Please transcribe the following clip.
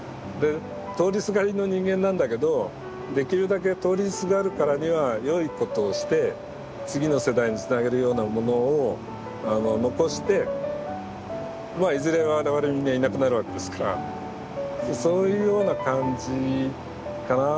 通りすがりの人間なんだけどできるだけ通りすがるからには良いことをして次の世代につなげるようなものを残していずれは我々みんないなくなるわけですからそういうような感じかな。